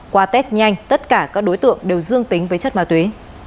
qua test nhanh tất cả các đối tượng đều dương tính với chất ma túy